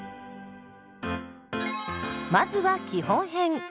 まずは基本編。